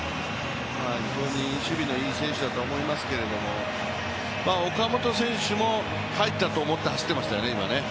非常に守備のいい選手だとは思いますけれども、岡本選手も入ったと思って走っていましたよね。